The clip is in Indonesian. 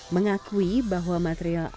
mengakui bahwa material artis